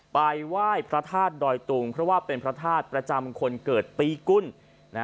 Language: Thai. ไปไหว้พระธาตุดอยตุงเพราะว่าเป็นพระธาตุประจำคนเกิดปีกุล